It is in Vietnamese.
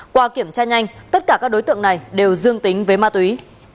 qua kiểm tra nhanh tất cả các đối tượng này đều dương tính với ma túy